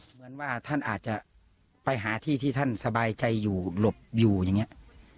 เหมือนว่าท่านอาจจะไปหาที่ที่ท่านสบายใจอยู่หลบอยู่อย่างนี้